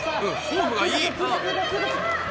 フォームがいい！